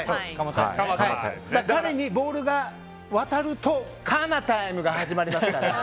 彼にボールが渡るとかまタイムが始まりますから。